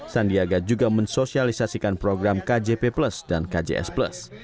sandiaga juga mensosialisasikan program kjp plus dan kjs plus